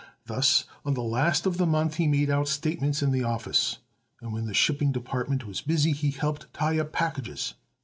Thus, on the last of the month he made out statements in the office, and when the shipping department was busy he helped tie up packages.